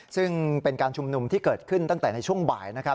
ซึ่งเป็นการชุมนุมที่เกิดขึ้นตั้งแต่ในช่วงบ่ายนะครับ